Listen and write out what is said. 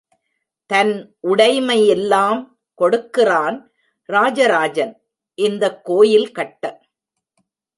தன் உடைமை யெல்லாம் கொடுக்கிறான் ராஜராஜன், இந்தக் கோயில் கட்ட.